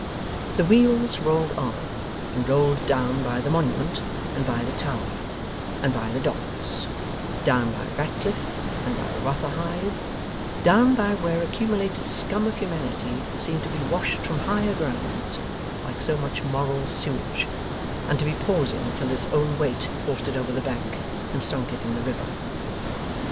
The wheels rolled on, and rolled down by the Monument and by the Tower, and by the Docks; down by Ratcliffe, and by Rotherhithe; down by where accumulated scum of humanity seemed to be washed from higher grounds, like so much moral sewage, and to be pausing until its own weight forced it over the bank and sunk it in the river.